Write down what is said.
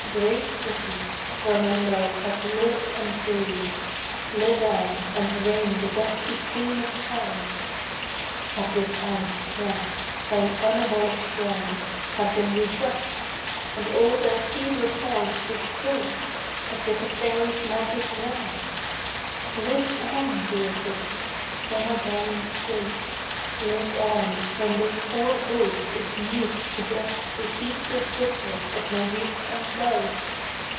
Great city, where my love has lived and breathed, Live on, and reign the dusky Queen of Towns ! Had this hand strength, thine unabolished wrongs Had been redress'd, and all thy fever fogs Dispersed, as with a fairy's magic wand ! Live on, dear city ! for my darling's sake. Live on, when this poor voice is mute to bless The heedless witness of my youth and love